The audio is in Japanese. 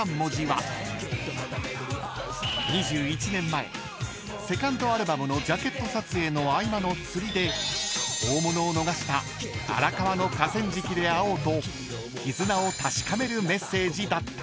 ［２１年前セカンドアルバムのジャケット撮影の合間の釣りで大物を逃した荒川の河川敷で会おうと絆を確かめるメッセージだった］